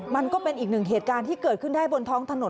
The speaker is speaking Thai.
มันก็เป็นอีกหนึ่งเหตุการณ์ที่เกิดขึ้นได้บนท้องถนน